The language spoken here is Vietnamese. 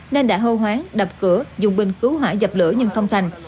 nên đã hô hoán đập cửa dùng binh cứu hỏa dập lửa nhưng không thành